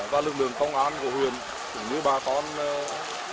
và lực lượng công nghiệp của xã phúc trạch huyện bố trạch bị ngập